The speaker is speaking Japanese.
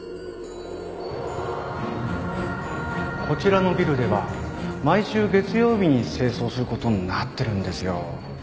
こちらのビルでは毎週月曜日に清掃することになってるんですよ